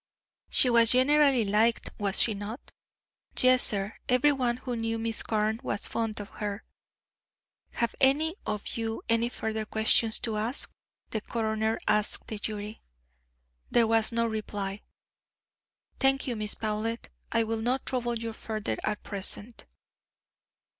"She was generally liked was she not?" "Yes, sir. Every one who knew Miss Carne was fond of her." "Have any of you any further questions to ask?" the coroner asked the jury. There was no reply. "Thank you, Miss Powlett. I will not trouble you further at present."